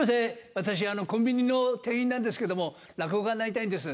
私、コンビニの店員なんですけども、落語家になりたいんです。